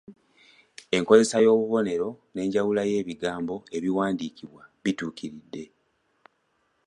Enkozesa y’obubonero n’enjawula y’ebigambo ebiwandiikibwa bituukiridde.